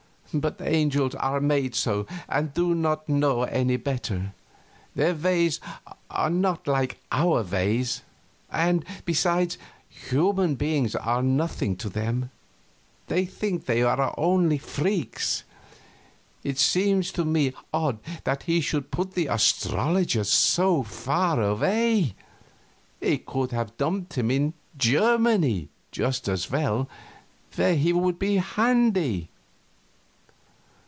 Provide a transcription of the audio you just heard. But angels are made so, and do not know any better. Their ways are not like our ways; and, besides, human beings are nothing to them; they think they are only freaks. It seems to me odd that he should put the astrologer so far away; he could have dumped him in Germany just as well, where he would be handy.